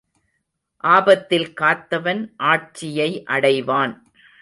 ஆபத்தில் காத்தவன் ஆட்சியை அடைவான்.